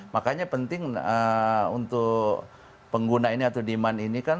makanya penting untuk pengguna ini atau demand ini kan